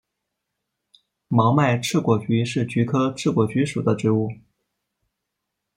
毛脉翅果菊是菊科翅果菊属的植物。